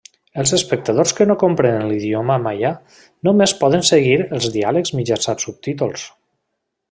Els espectadors que no comprenen l'idioma maia només poden seguir els diàlegs mitjançant subtítols.